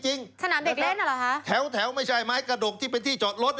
สนามเด็กเล่นอ่ะเหรอฮะแถวแถวไม่ใช่ไม้กระดกที่เป็นที่จอดรถ